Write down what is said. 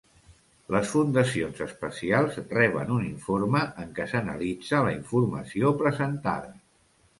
Les fundacions especials reben un informe en què s'analitza la informació presentada.